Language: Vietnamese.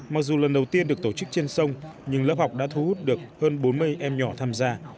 mặc dù lần đầu tiên được tổ chức trên sông nhưng lớp học đã thu hút được hơn bốn mươi em nhỏ tham gia